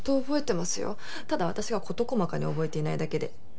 ただ私は事細かに覚えていないだけで。